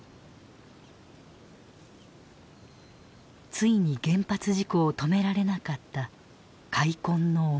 ついに原発事故を止められなかった「悔恨の思い」。